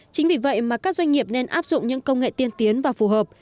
chính vì vậy mà các doanh nghiệp nên áp dụng những công nghệ tiên tiến và phù hợp